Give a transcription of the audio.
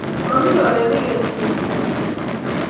mamii oret neketilei sikesir